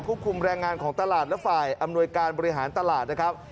คุมแรงงานของตลาดและฝ่ายอำนวยการบริหารตลาดนะครับ